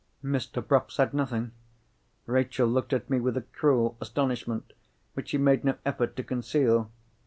Mr. Bruff said nothing. Rachel looked at me with a cruel astonishment which she made no effort to conceal.